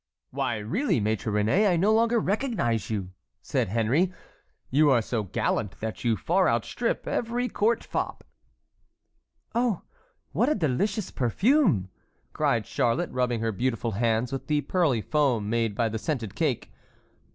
"Why, really, Maître Réné, I no longer recognize you," said Henry, "you are so gallant that you far outstrip every court fop." "Oh, what a delicious perfume!" cried Charlotte, rubbing her beautiful hands with the pearly foam made by the scented cake.